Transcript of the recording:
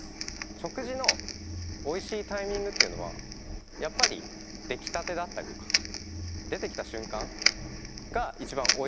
食事のおいしいタイミングっていうのはやっぱり出来たてだったりとか出てきた瞬間が一番おいしいと。